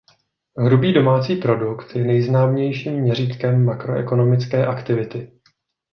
Hrubý domácí produkt je nejznámějším měřítkem makroekonomické aktivity.